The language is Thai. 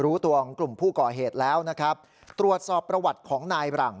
รู้ตัวของกลุ่มผู้ก่อเหตุแล้วนะครับตรวจสอบประวัติของนายหลัง